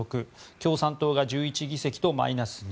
共産党が１１議席でマイナス２。